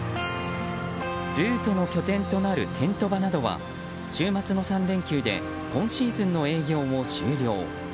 ルートの拠点となるテント場などは週末の３連休で今シーズンの営業を終了。